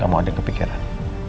gak mau ada yang kepikiran